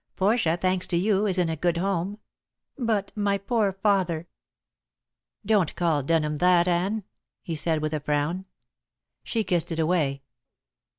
Portia, thanks to you, is in a good home. But my poor father " "Don't call Denham that, Anne," he said, with a frown. She kissed it away.